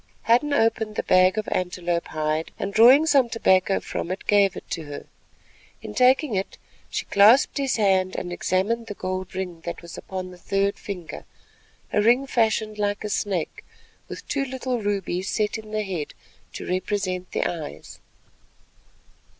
Hadden opened the bag of antelope hide and drawing some tobacco from it, gave it to her. In taking it she clasped his hand and examined the gold ring that was upon the third finger, a ring fashioned like a snake with two little rubies set in the head to represent the eyes.